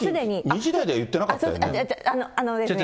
２時台では言ってなかったよね。